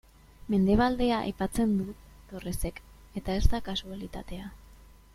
Mendebaldea aipatzen du Torresek, eta ez da kasualitatea.